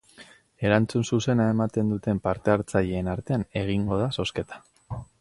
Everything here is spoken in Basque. Erantzun zuzena ematen duten parte hartzaileen artean egingo da zozketa.